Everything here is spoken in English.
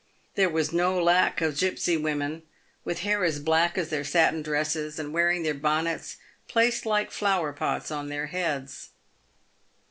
There was no lack of gipsy women, with hair as black as their satin dresses, and wearing their bonnets placed like flower pots on their heads.